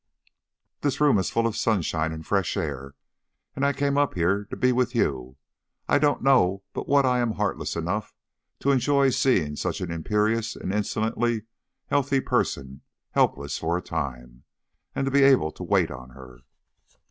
"This room is full of sunshine and fresh air, and I came up here to be with you. I don't know but what I am heartless enough to enjoy seeing such an imperious and insolently healthy person helpless for a time, and to be able to wait on her."